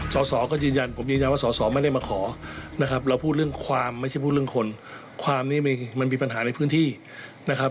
สอสอก็ยืนยันผมยืนยันว่าสอสอไม่ได้มาขอนะครับเราพูดเรื่องความไม่ใช่พูดเรื่องคนความนี้มันมีปัญหาในพื้นที่นะครับ